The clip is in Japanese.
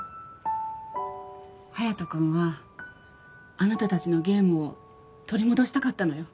隼人君はあなた達のゲームを取り戻したかったのよ